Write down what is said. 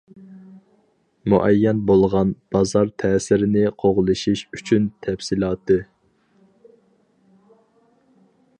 مۇئەييەن بولغان بازار تەسىرىنى قوغلىشىش ئۈچۈن، . تەپسىلاتى.